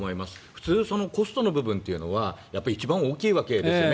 普通、コストの部分というのは一番大きいわけですよね。